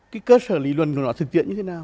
cái cơ sở lý luận của nó thực tiện như thế nào